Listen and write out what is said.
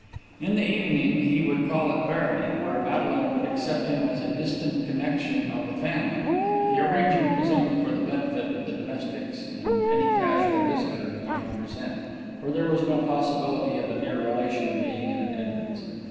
In the evening he would call at Barony, where Madeline would accept him as a distant connexion of the family. The arrangement was only for the benefit of the domestics and any casual visitor who might be present, for there was no possibility of a near relation being in attendance.